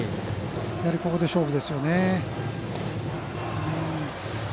やはり、ここで勝負ですよね。